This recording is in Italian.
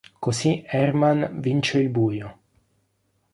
Così Herman, vince il buio.